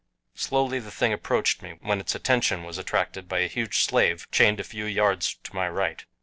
Slowly the thing approached me, when its attention was attracted by a huge slave chained a few yards to my right.